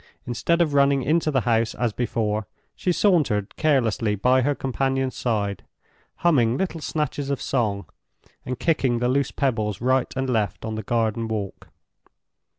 Instead of running into the house as before, she sauntered carelessly by her companion's side, humming little snatches of song, and kicking the loose pebbles right and left on the garden walk.